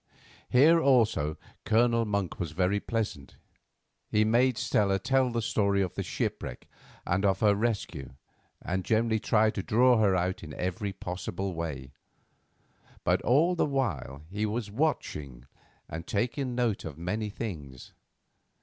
Here also Colonel Monk was very pleasant. He made Stella tell the story of the shipwreck and of her rescue, and generally tried to draw her out in every possible way. But all the while he was watching and taking note of many things.